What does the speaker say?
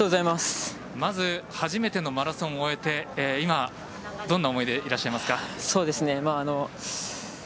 まず、初めてのマラソンを終えて今、どんな思いでいらっしゃいますか？